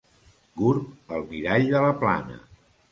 Gurb, el mirall de la Plana.